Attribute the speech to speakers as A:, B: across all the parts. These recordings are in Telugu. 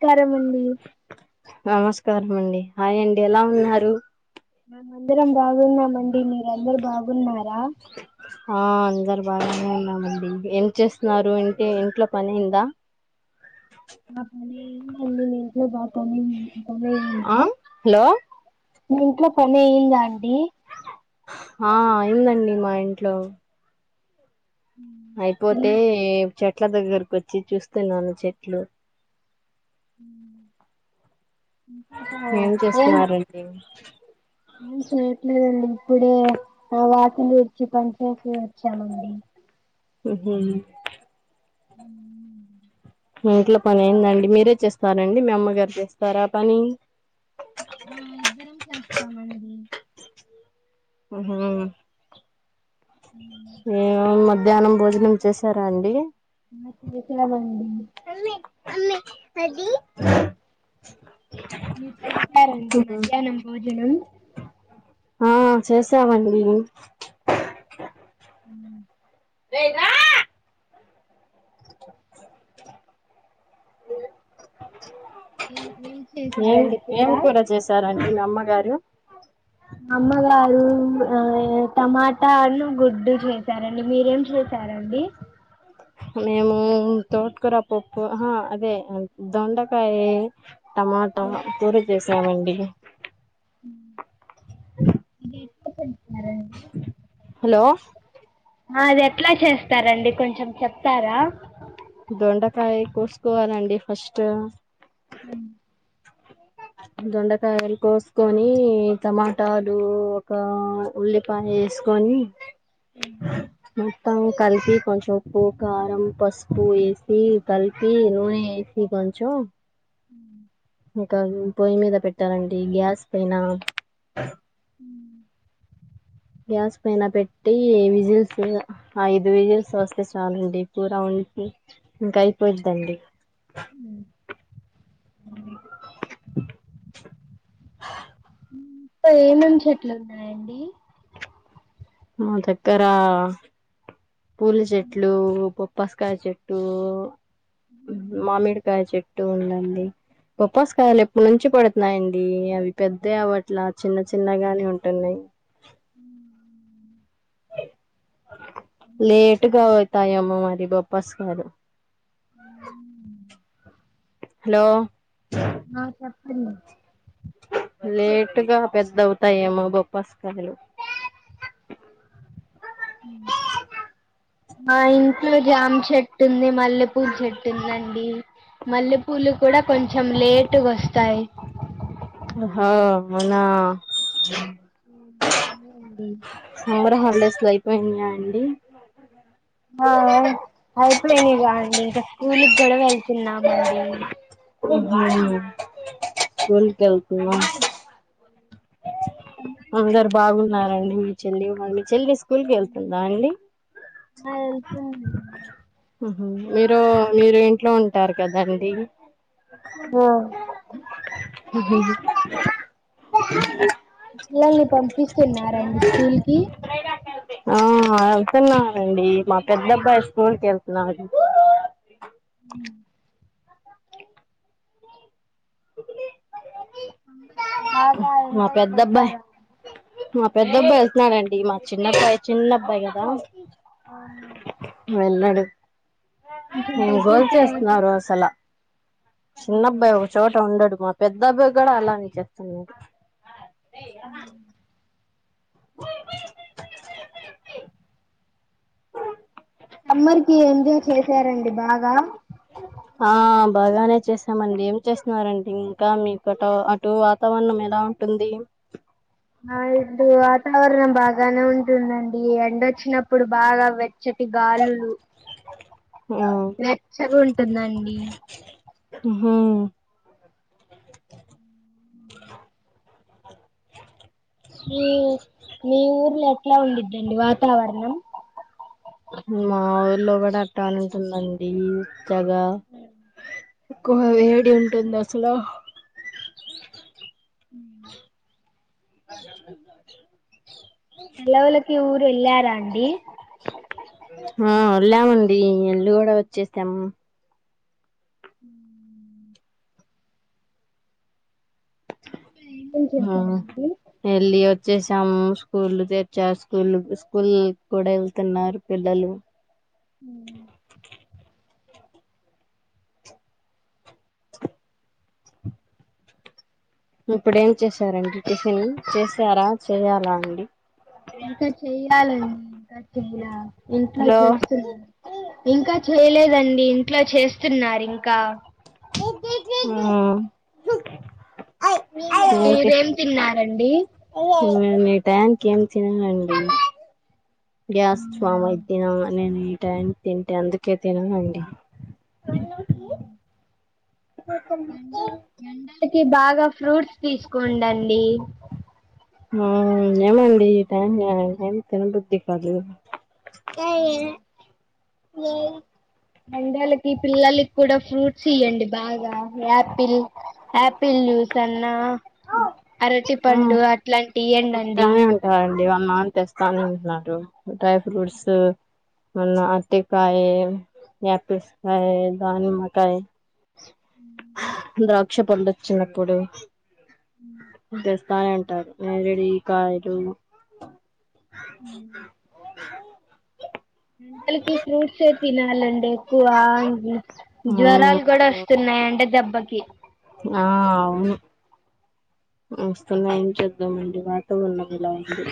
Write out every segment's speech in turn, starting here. A: స్కారమండి
B: నమస్కారం అండి హాయ్ అండి ఎలా ఉన్నారు
A: మేము అందరం బాగున్నామండి మీరు అందరూ బాగున్నారా
B: ఆ అందరు బాగానే ఉన్నామండి ఏం చేస్తున్నారు ఇంటే ఇంట్లో పని అందా అ
A: నాక్ మీన్ అండి మీ ఇంట్లో బా
B: ఆ హలో
A: మీ ఇంట్లో పని అయిందా అండి
B: ఆ అయిందండి మా ఇంట్లో
A: ఏం
B: అయిపోతే చెట్ల దెగ్గర్కు ఒచ్చి చూస్తున్నాను చెట్లు
A: అ
B: ఏం చేస్తున్నారండి
A: ఏం చేయట్లేదండి ఇప్పుడే ఆ వాకిలుడ్చి పని చేేసి వచ్చామండి
B: ఉహు
A: ఉ
B: ఇంట్లో పని అయిందండి మీరే చేస్తారండి మీ అమ్మగారు చేస్తారా పనీ
A: ఆ ఇద్దరం చేస్తామండి
B: ఆ ఏమో మ ధ్యానం భోజనం చేసారా అండి
A: నా చేతిలో బందీ
B: అ అ అది
A: మీరు చేసరండి మధ్యాహ్నం భోజనం
B: ఆ చేసామండి [unintelligible] [inaudible]
A: [inaudible]
B: చేస్తారండి మీ అమ్మగారు
A: అమ్మగారు టమాటాలు గుడ్డు చే సరండి మీరేం చేసారండి
B: అ మేము తోటకూర పప్పు అదే దొండకాయ టమాటో కూర చేసామండి
A: అంటే ఇప్పుడు తింటున్నారండి
B: హలో
A: ఆ అది ఎట్లా చేస్తారండి కొంచెం చెప్తారా
B: దొండకాయ కోసుకోవాలండి ఫస్ట్
A: ఉ
B: దొండకాయలు కోసుకొని టమాటాలు ఒక ఉల్లి పాయ యేసుకుని మొత్తం కలిపి కొంచెంప్పు కారం పసుపు వేసి కలిపి నూనె వేసి వేసి కొంచెం
A: ఉ
B: ఇంకా పొయ్యి మీద పెట్టాలండి గ్యాస్ పైన
A: ఉ
B: గ్యాస్ పైన పెట్టి విజిల్స్ ఆ ఐదు విజల్స్ వస్తే చాలండి కూర ఉ ఇంకా అయిపోదండి
A: ఉ పైనుంచి ఎట్ల ఉన్నాయండి
B: మా దగ్గర పూలు చెట్లు బొబ్బసకాయ చెట్టు మామిడికాయ చెట్టు ఉందండి బోప్పస్ కావాలు ఎప్పుడు నుంచి పడుతున్నాయండి అవి పెద్దవి అవట్ల చిన్న చిన్నగానే ఉంటున్నాయి
A: [inaudible]
B: లేట్గా పోవుతాయి ఏమో మరి బొప్పాస్ కాయలు
A: హ
B: హలో
A: ఆ చెప్పండి
B: లేటుగా పెద్దవుతాయేమో బొప్పాస్ కయలు
A: ఉ నా ఇంట్లో జామ చెట్టు ఉంది మల్లెపూల చెట్టు ఉందండి మల్లెపూలు కూడా కొంచెం లేటుగా వస్తాయి
B: ఓహో అవునా
A: ఊహూ
B: సమ్మర్ హాలిడేస్ లో అయిపోయినాయా అండి [inaudible]
A: ఆ అయిపోయిగా అండి ఇంకా స్కూల్కి కూడా వెళ్తున్నామండి
B: [unintelligible] స్కూల్ కి వెల్తుర్లా
A: సమ్మర్
B: అందరు
A: హాలిడేస్ కి
B: బాగున్నారండి మీ చెల్లి [unintelligible] స్కూల్కి వెళ్తుందా అండి [inaudible]
A: ఆ వెళ్తుందండి
B: ఆహ మీరు మీరు ఇంట్లో ఉంటారు కదండి [inaudible]
A: ఆ
B: ఉ హు హు
A: మీ పిల్లల్ని పంపిస్తున్నారండి స్కూల్ కి
B: ఆ అవుతున్నానండి మా పెద్ద అబ్బాయి స్కూల్ కి ఎళ్తున్నాడు
A: అవ [inaudible]
B: మా పెద్దబ్బాయి మా పెద్ద అబ్బాయి ఎళ్తున్నాడండి మా చిన్నబ్బాయి చిన్న అబ్బాయి కదా
A: ఆహా
B: వెళ్లాడు
A: కొంచెం పెద్దయిన తర్వాత
B: బోంచేస్తున్నారు అసలు చిన్న అబ్బాయి ఒ చోట ఉండడు మా పెద్ద అబ్బాయి కూడా అలానే చేస్తున్నాడు
A: హ [unintelligible]
B: [unintelligible]
A: సమ్మర్ కి ఎంజాయ్ చేసారండి బాగా
B: [unintelligible] ఆ బాగానే చేసామండి ఏం చేస్తున్నారండి ఇంకా మీకట అటు వాతావరణం ఎలా టుంది
A: అ ఇటు వాతావరణం బాగానే ఉంటుందండి ఎండొచ్చినప్పుడు బాగా వే చెట్టుయీ గాలులు
B: ఆ
A: వెచ్చగా ఉంటుందండి
B: ఆహ
A: మీ మీ ఊర్లో ఎట్లా ఉండుదండీ వాతావరణం
B: మా ఊర్లో కూడా అట్ట నే ఉంటుందండి జగ ఎక్కువ వేడి ఉంటుంది అసలు
A: ఉ [unintelligible]
B: [inaudible]
A: సేలవులకి ఊరు ఎల్లారా అండి
B: ఆ వేళ్ళామండి ఇల్లు కూడా వచ్చేసాము
A: [unintelligible] ఏమేం
B: ఆ
A: చేశారండి
B: వెళ్ళి వచ్చేసాము స్కూల్ తెర్చాస స్కూల్ స్కూల్ కూడా వెళ్తున్నారు పిల్లలు
A: [unintelligible]
B: [inaudible] ఇప్పుడు ఏం చేశారండి టిఫిన్ చేసారా చేయాలా అండి
A: ఇంకా చెయ్యాలండి ఇంకా చెయ్యా ఇంట్లో
B: హలో
A: చేస్తున్నారు ఇంకా చేయలేదండి ఇంట్ల చేస్తున్నారు ఇంకా
B: ఆ [unintelligible]
A: మీరేం తిన్నారండి
B: మేము ఈ టైనికి ఏం తిననండి గ్యాస్
A: అవునా
B: ఫామ్ అయ్యి తిన నేను ఈ టైం తింటే అందుకే తిననండి
A: [unintelligible] ఏ ఎండలకి బాగా ఫ్రూట్స్ తీసుకోండి అండి
B: ఆ ఏమో అండి ఈ టైంల ఎం తినబుద్ది కాదు. కాయ
A: ఎండలకి పిల్లలకి కూడా ఫ్రూట్స్ ఇయ్యండి బాగా యాపిల్ ఆపిల్ జ్యూస్ అన్నా, అరటి పండు అట్లాంటియి ఇయ్యండి అండి.
B: అలాగండి వాళ్ళ నాన్న తెస్తానంటున్నారు డ్రై ఫ్రూట్స్ మొన్న అరటికాయ్, యాపిల్స్ కాయ్ దానిమ్మ కాయ్. ద్రాక్ష పండ్లు వచ్చినప్పుడు తెస్తనే ఉంటారు నేరడి కాయలు.
A: పిల్లలకి ఫ్రూట్సే తినాలండి. ఒక వానకి
B: ఆ
A: జ్వరాలు కూడా వస్తున్నాయి ఎండ దెబ్బకి.
B: ఆ అవును. వస్తున్నాయి ఏం చేద్దామండి, వాతావరణం ఇలా ఉంది.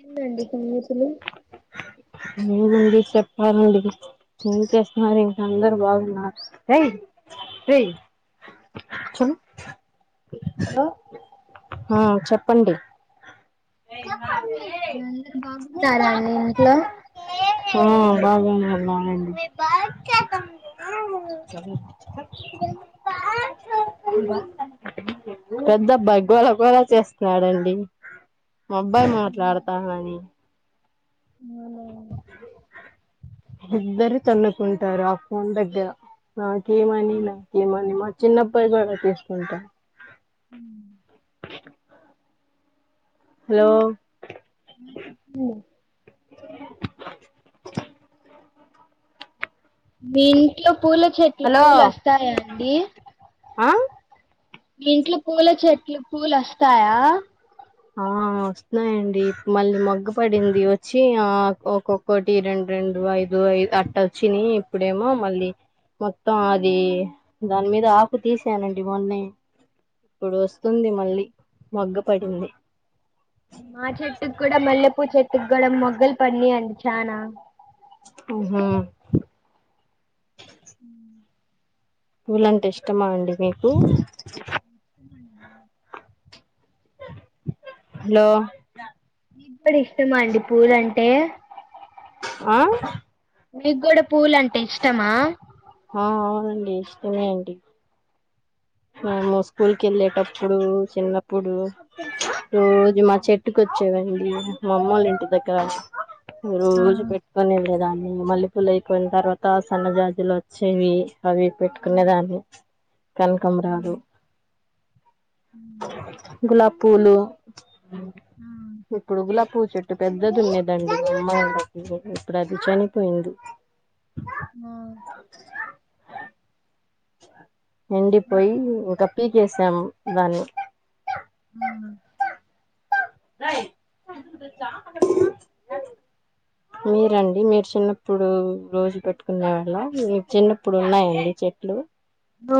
A: ఎందండి తుమ్మిసులు?
B: లేదండి, చెప్పాలండి. ఏం చేస్తున్నారు ఇంట్లో అందరు బావున్నార, రేయ్ రేయ్ ఆ
A: హలో
B: ఆ చెప్పండి.
A: మీ అందరు బాగున్నారా అండి ఇంట్లో.
B: ఆ బాగున్నాం బాగాండి. పెద్దబ్బాయి గోళగోళ చేస్తున్నాడండి, మా అబ్బాయి మాట్లాడతానని.
A: అవునా
B: ఇద్దరు తన్నుకుంటారు ఆ ఫోన్ దగ్గర. నాకీయమనీ నాకీయమనీ మా చిన్నబ్బాయి కూడా తీసుకుంటా
A: హ్
B: హలో
A: మీ ఇంట్లో పూల చెట్లు
B: హలో
A: పూలు అస్తాయా అండి.
B: ఆ
A: మీ ఇంట్లో పూల చెట్లు పూలు అస్తాయా.
B: ఆ వస్తున్నాయండి, మళ్ళీ మొగ్గ పడింది వచ్చి ఆ ఒక్కొక్కటి రెండు రెండు అయి ఐదు అయి అట్ట వచ్చినయి ఇప్పుడేమో మళ్ళీ మొత్తం అది దాని మీద ఆకు తీసానండి మొన్నే. ఇప్పుడు వస్తుంది మళ్ళీ మొగ్గ పడింది.
A: మా చెట్టుకి కూడా మల్లెపూ చెట్టుకి కూడా మొగ్గలు పడినయండి చానా.
B: ఆహా
A: ఉ
B: పూలంటే ఇష్టమా అండి మీకు?
A: [inaudible]
B: హలో
A: ఇప్పుడు ఇష్టమండి పూలంటే.
B: ఆ
A: మీకు కూడ పూలు అంటే ఇష్టమ
B: ఆ అవునండి ఇష్టమే అండి మేము స్కూల్ కెళ్ళేటప్పుడు చిన్నప్పుడు రోజు మా చెట్టుకు ఒ [unintelligible] మా అమ్మళ్లు ఇంటి దగ్గర
A: ఆ
B: రోజు పెట్ కొనే [unintelligible] మల్లెపూలు అయిపోయిన తర్వాత సన్నజాజులు వచ్చేవి అవి పెట్టుకునే దాన్ని [unintelligible] గులాబ్ పూలు ఇప్పుడు గులాబ్ చె ఇ పెద్దది ఉండేదండి అమ్మాయి ఇప్పుడు అది చనిపోయింది
A: ఆ
B: ఎండిపోయి [unintelligible] దాన్ని
A: ఆ
B: రై మీరండి మీరు చిన్నప్పుడు రోజు పెట్టుకునే వాళ్ళ మీ చిన్నప్పుడు ఉన్నాయండి చెట్లు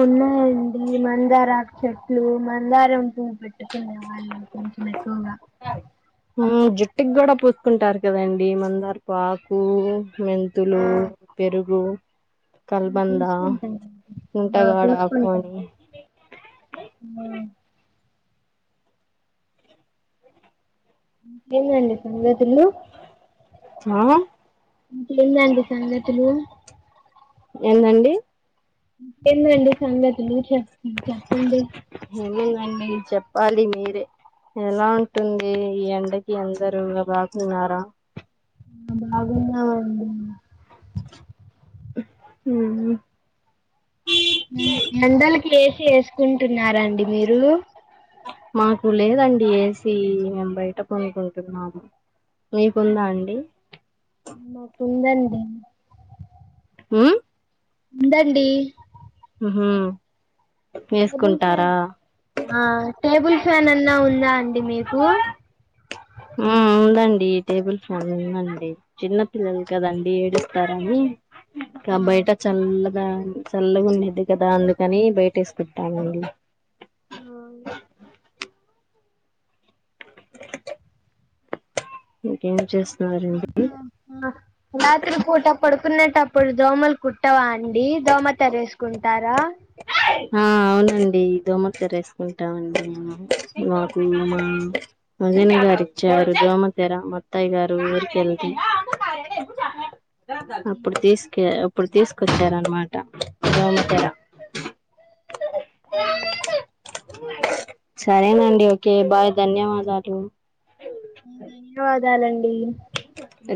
A: ఉన్నాయండి మందారకు చెట్లు మందారం పువు పెట్టుకునేవ [unintelligible] [unintelligible]
B: జుట్టుకి కూడ పూసుకుంటారు కదండి మందారపు ఆకు మెంతులు పెరుగు కల్బంద
A: పూసుకుంటాయి
B: ఉంటగాడ
A: పూసుకుంటాయి
B: ఆకూని
A: ఆ ఇంకేంది అండి సంగతులు
B: ఆ!
A: ఇంకేంది అండి సంగతులు
B: ఎందండి
A: ఇన్కేందండీ సంగతులు చెప్ చెప్పండి
B: ఏముందండి చెప్పాలి మీరే ఎలా ఉంటుంది ఈ ఎండకి అందరు ఇంగ బాగున్నార
A: బాగున్నామండి
B: ఉ
A: ఎండలకి ఎసి ఎసుకుంటున్నార అండి మీరు
B: మాకు లేదండి ఏసీ మేము బయట పనుకుంటున్నాము మీకుందా అండి
A: మాకు ఉందండి
B: ఉ
A: ఉండండి
B: ఉహు
A: టేబుల్ ఫ్యాన్ అన్నా ఉందా అండి మీకు
B: ఉందండి టేబుల్ ఫ్యాన్ ఉందండి చిన్న పిల్లలు కదండి ఏడు
A: ఆ
B: [unintelligible] బయట చల్లగ చల్లగ ఉండిది కదా అందుకని బయట వేసుకుంటామండి
A: ఉ
B: ఇంకేం చేస్తున్నారండి
A: రాత్రి పూట పడుకునేటప్ అప్పుడు దోమలు కుట్టావా అండి దోమ తెరేసుకుంటారా
B: ఆ అవునండి దోమత్తర ఎసుకుంటామండి మేము మాకు అజన్ గారు ఇచ్చారు దోమతేర ముత్తాయి గారు ఊరిక వెళ్తే ఏహే ఎగ్గు చాంలెట్ అప్పుడు తీస్కే, అప్పుడు తీసుకొచ్చారనమాట దోమతెర
A: ఆ
B: సరేనండి ఓకే బాయ్, ధన్యవాదాలు.
A: న్యవాదాలండి.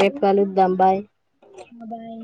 B: రేపు కలుద్దాం బాయ్.
A: ఇంగా బాయ్.